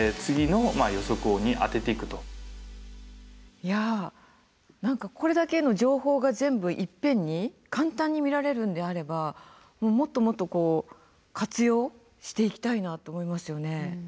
いや何かこれだけの情報が全部いっぺんに簡単に見られるんであればもっともっと活用していきたいなと思いますよね。